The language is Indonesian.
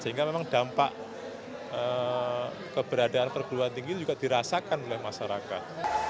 sehingga memang dampak keberadaan perguruan tinggi juga dirasakan oleh masyarakat